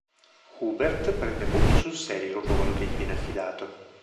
Hubert prende molto sul serio il ruolo che gli viene affidato.